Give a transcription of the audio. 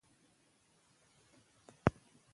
ژبه د فکر انکشاف ته لار هواروي.